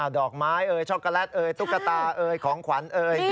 ดอกไม้ช็อคโกแลตตุ๊กตาของขวัญ